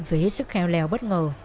với hết sức khéo léo bất ngờ